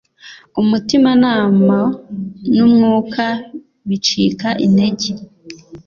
umutimanama n’umwuka bicika intege.